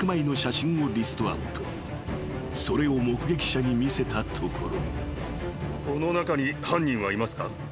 ［それを目撃者に見せたところ］